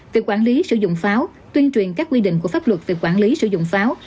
việc quản lý sử dụng pháo tuyên truyền các quy định của pháp luật về quản lý sử dụng pháo